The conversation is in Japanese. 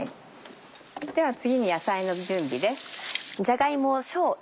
では次に野菜の準備です。